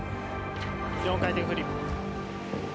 ４回転フリップ。